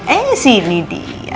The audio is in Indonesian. eh sini dia